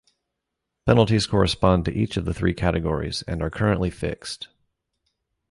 Penalties correspond to each of the three categories and are currently fixed.